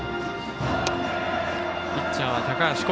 ピッチャーは高橋煌